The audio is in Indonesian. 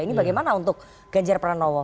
ini bagaimana untuk ganjar pranowo